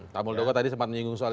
pak muldoko tadi sempat menyinggung soal